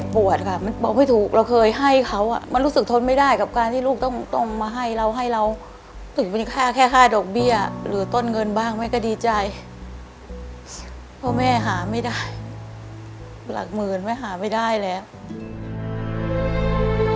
เพราะแม่หาไม่ได้หลักเหมือนไม่หาไม่ได้แหละ